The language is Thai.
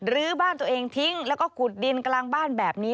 ื้อบ้านตัวเองทิ้งแล้วก็ขุดดินกลางบ้านแบบนี้